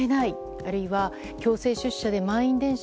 あるいは強制出社で満員電車。